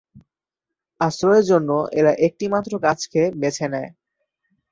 আশ্রয়ের জন্য এরা একটিমাত্র গাছকে বেছে নেয়।